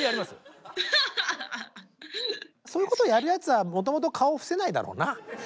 そういうことをやるやつはもともと顔を伏せないだろうな。